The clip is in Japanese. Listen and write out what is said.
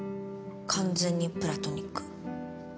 完全にプラトニック。